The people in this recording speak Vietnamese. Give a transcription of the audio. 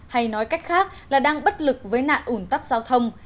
hay nói cách khác là đang bất lực với nạn ủn tắc giao thông